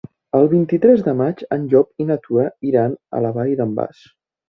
El vint-i-tres de maig en Llop i na Tura iran a la Vall d'en Bas.